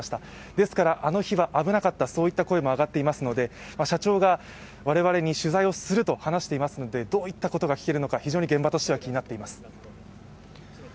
ですから、あの日は危なかったという声も上がってますので社長が、我々に取材をすると話していますので、どういったことが聞けるのか非常に現場としては気になっています。